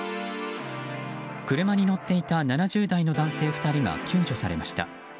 車に乗っていた７０代の男性２人が救助されました。